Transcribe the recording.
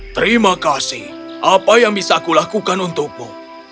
terima kasih apa yang bisa aku lakukan untukmu